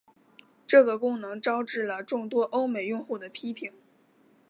这个功能招致了众多欧美用户的批评。